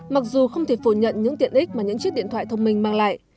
mặc dù không thể phủ nhận những tiện ích mà những chiếc điện thoại thông minh mang lại